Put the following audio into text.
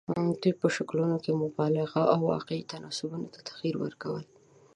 دوی په شکلونو کې مبالغه او واقعي تناسبونو ته تغیر ورکول.